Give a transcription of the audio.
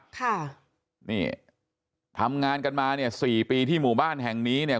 ค่ะนี่ทำงานกันมาเนี่ยสี่ปีที่หมู่บ้านแห่งนี้เนี่ย